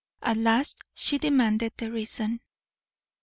At last she demanded the reason.